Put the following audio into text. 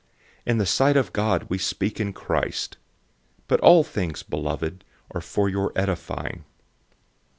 In the sight of God we speak in Christ. But all things, beloved, are for your edifying.